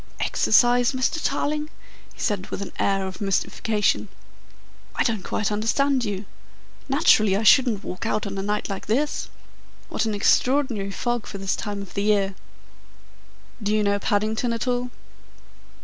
"Exercise, Mr. Tarling?" he said with an air of mystification. "I don't quite understand you. Naturally I shouldn't walk out on a night like this. What an extraordinary fog for this time of the year!" "Do you know Paddington at all?"